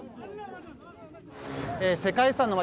世界遺産の街